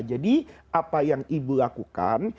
jadi apa yang ibu lakukan